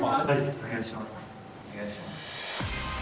お願いします。